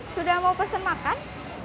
sudah mau pesen makan